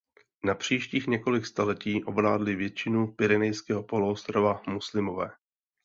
Na příštích několik staletí ovládli většinu Pyrenejského poloostrova muslimové.